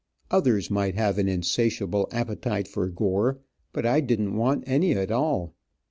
Others might have an insatiable appetite for gore, but I didn't want any at all.